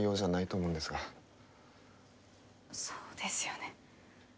そうですよね。